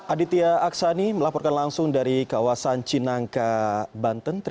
aditya aksani melaporkan langsung dari kawasan cinangka banten